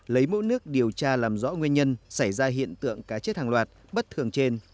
lấy mẫu nước điều tra làm rõ nguyên nhân xảy ra hiện tượng cá chết hàng loạt bất thường trên